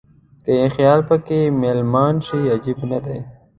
که یې خیال په کې مېلمان شي عجب نه دی.